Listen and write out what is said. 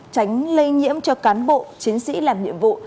tránh lây nhiễm cho cán bộ chiến sĩ làm nhiệm vụ